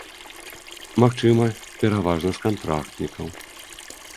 Магчыма, пераважна з кантрактнікаў.